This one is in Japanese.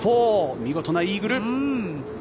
見事なイーグル。